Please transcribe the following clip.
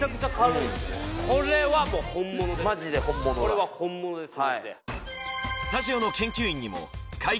これは本物です